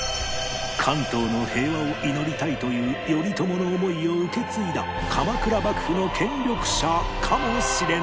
関東の平和を祈りたいという頼朝の思いを受け継いだ鎌倉幕府の権力者かもしれない